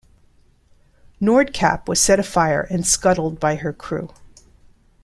"Nordkapp" was set afire and scuttled by her crew.